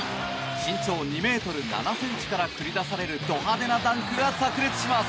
身長２ｍ７ｃｍから繰り出されるど派手なダンクがさく裂します。